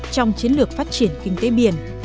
trong chiến lược phát triển kinh tế biển